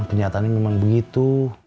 kenyataannya memang begitu